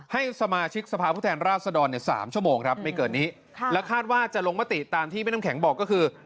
ให้สมาชิกสภาพผู้แทนราชดรใน๓ชั่วโมงครับไม่เกินนี้และคาดว่าจะลงมติตามที่พี่น้ำแข็งบอกก็คือ